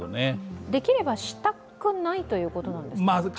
できれば、したくないということなんですか？